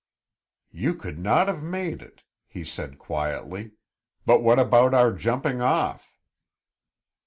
"You could not have made it," he said quietly. "But what about our jumping off?"